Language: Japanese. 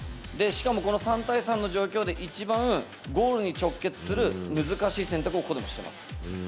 しかもこの３対３の状況で、一番ゴールに直結する難しい選択をここでもしています。